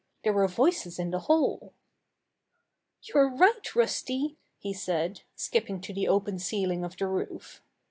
There were voices in the hall. "You're right. Rusty," he said, skipping to the open ceiling of the roof.